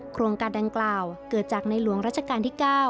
โครงการดังกล่าวเกิดจากในหลวงราชการที่๙